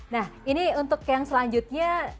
nah ini untuk yang selanjutnya